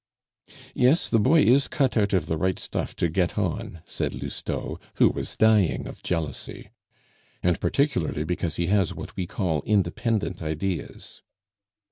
"Yes, the boy is cut out of the right stuff to get on," said Lousteau, who was dying of jealousy. "And particularly because he has what we call independent ideas..."